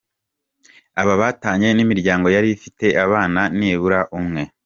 Aba batanye ni imiryango yari ifite abana nibura umwe.